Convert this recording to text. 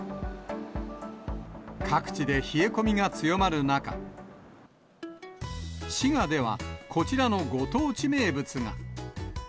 各地で冷え込みが強まる中、滋賀ではこちらのご当地名物が。